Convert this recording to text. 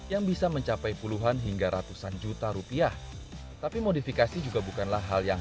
yang bisa mencapai puluhan hingga ratusan juta rupiah tapi modifikasi juga bukanlah hal yang